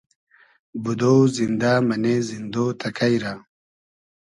بودۉ زیندۂ مئنې زیندۉ تئکݷ رۂ